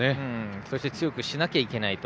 そして強くしなきゃいけないと。